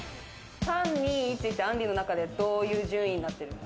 ３、２、１ってあんりの中で、どういう順位になってるの？